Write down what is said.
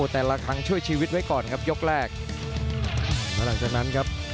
แต่ละครั้งช่วยชีวิตไว้ก่อนครับยกแรกแล้วหลังจากนั้นครับ